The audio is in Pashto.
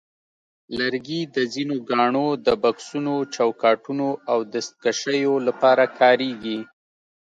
لرګي د ځینو ګاڼو د بکسونو، چوکاټونو، او دستکشیو لپاره کارېږي.